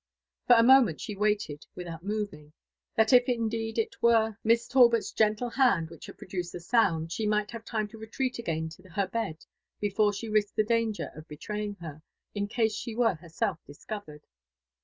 For a moment she waited without moving, that if indeed it were in LIFE AND ADVBNTURBS OF Miss Talbot's gentle hand which had produced the soand, she migbf have time to retreat again to her bed before she rislied the danger of betraying her, in case she were herself discovered.